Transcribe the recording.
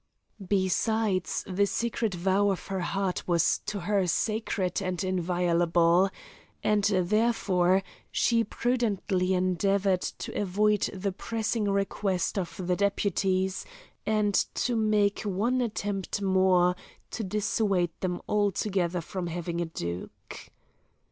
Besides the secret vow of her heart was to her sacred and inviolable, and therefore she prudently endeavoured to avoid the pressing request of the deputies, and to make one attempt more to dissuade them altogether from having a duke.